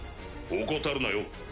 怠るなよ。